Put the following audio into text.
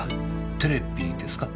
テレビですか？